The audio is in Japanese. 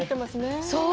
そう。